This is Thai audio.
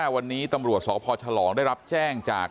วันนี้ตำรวจสพฉลองได้รับแจ้งจาก